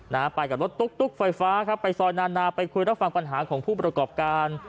นะฮะไปกับรถตุ๊กตุ๊กไฟฟ้าครับไปซอยนานาไปคุยรับฟังปัญหาของผู้ประกอบการ